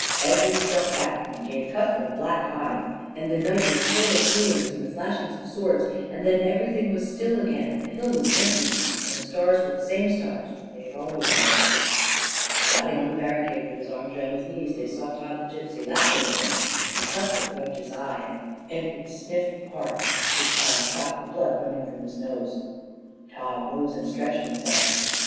Edward struck back, and gave Cuthbert a black eye, and the night was full of hewings and the flashings of swords; and then everything was still again, and the hill was empty, and the stars were the same stars that they had always known. Squatting on the barricade, with his arms round his knees, they saw Tod the Gipsy laughing at them; and Cuthbert rubbed his eye, and Edward sniffed hard to try and stop the blood running from his nose. Tod rose and stretched himself.